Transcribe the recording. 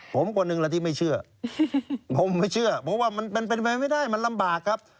ผมคนหนึ่งละที่ไม่เชื่อผมไม่เชื่อเพราะว่ามันเป็นไปไม่ได้มันลำบากครับ